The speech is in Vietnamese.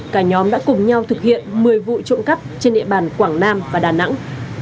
cả nhóm đã cùng nhau thực hiện một mươi vụ trộm cắp trên địa bàn quảng nam và đà nẵng